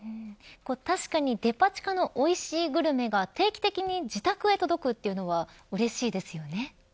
確かにデパ地下のおいしいグルメが定期的に自宅へ届くというのはうれしいですよね。